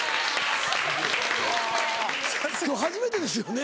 今日初めてですよね？